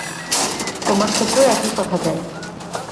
তোমার ক্ষেত্রেও একই কথা যায়।